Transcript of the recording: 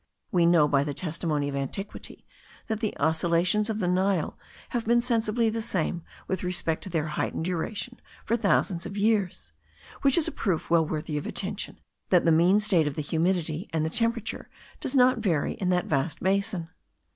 We know by the testimony of antiquity, that the oscillations of the Nile have been sensibly the same with respect to their height and duration for thousands of years; which is a proof, well worthy of attention, that the mean state of the humidity and the temperature does not vary in that vast basin.